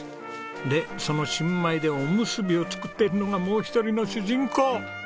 でその新米でおむすびを作っているのがもう一人の主人公。